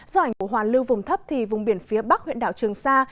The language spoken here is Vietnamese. do ảnh của hoàn lưu vùng thấp thì vùng biển phía bắc huyện đảo trường sa